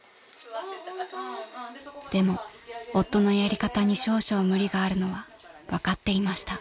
［でも夫のやり方に少々無理があるのは分かっていました］